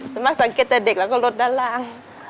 ส่วนมากสังเกตแต่เด็กแล้วก็รถด้านล่าง